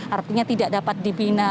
artinya tidak dapat dibina